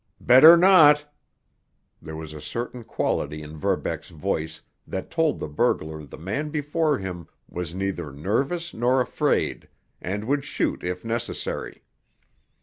"Better not!" There was a certain quality in Verbeck's voice that told the burglar the man before him was neither nervous nor afraid, and would shoot if necessary.